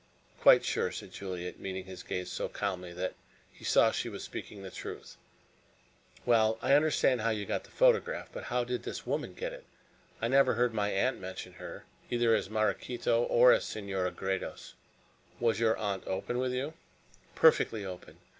"Quite sure," said Juliet, meeting his gaze so calmly that he saw she was speaking the truth. "Well, I understand how you got the photograph, but how did this woman get it? I never heard my aunt mention her, either as Maraquito or as Senora Gredos." "Was your aunt open with you?" "Perfectly open.